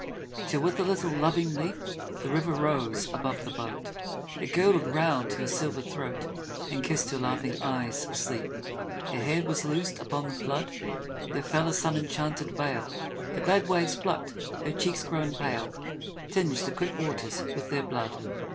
Till with a little loving leap The river rose above the boat, It girdled round her silver throat And kissed her laughing eyes asleep. Her hair was loosed, upon the flood There fell a sun enchanted veil The glad waves plucked, her cheeks grown pale Tmged the quick waters with their blood.